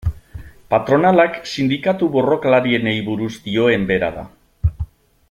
Patronalak sindikatu borrokalarienei buruz dioen bera da.